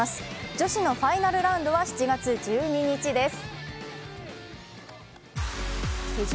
女子のファイナルラウンドは７月１２日です。